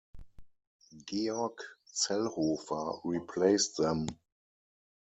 Georg Zellhofer replaced them.